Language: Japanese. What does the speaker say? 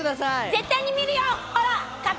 絶対に見るよ！